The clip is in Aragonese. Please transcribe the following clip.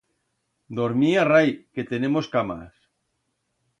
Dormir arrai, que tenemos camas.